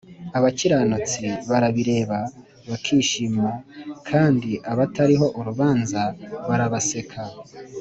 abakiranutsi barabireba bakishima kandi abatariho urubanza barabaseka